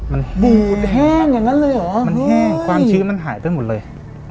มันบูดแห้งอย่างนั้นเลยเหรอมันแห้งความชื้นมันหายไปหมดเลย